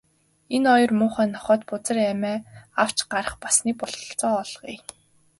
Энэ хоёр муухай нохойд бузар амиа авч гарах бас нэг бололцоо олгоё.